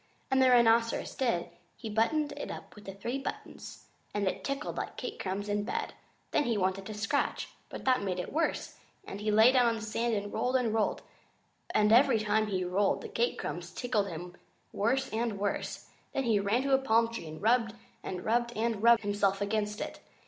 And the Rhinoceros did. He buttoned it up with the three buttons, and it tickled like cake crumbs in bed. Then he wanted to scratch, but that made it worse; and then he lay down on the sands and rolled and rolled and rolled, and every time he rolled the cake crumbs tickled him worse and worse and worse. Then he ran to the palm tree and rubbed and rubbed and rubbed himself against it.